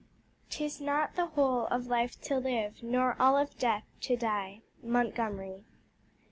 "'Tis not the whole of life to live, Nor all of death to die." _Montgomery.